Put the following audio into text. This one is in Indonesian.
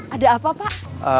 ada apa pak